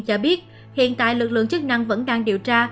cho biết hiện tại lực lượng chức năng vẫn đang điều tra